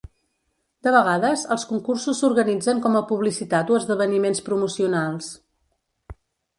De vegades, els concursos s'organitzen com a publicitat o esdeveniments promocionals.